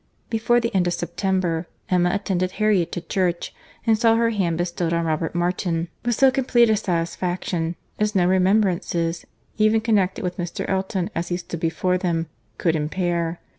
Before the end of September, Emma attended Harriet to church, and saw her hand bestowed on Robert Martin with so complete a satisfaction, as no remembrances, even connected with Mr. Elton as he stood before them, could impair.